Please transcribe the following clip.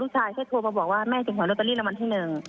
ลูกชายแค่โทรมาบอกว่าแม่เจ็บหอยโรตเตอรี่ละวันที่หนึ่ง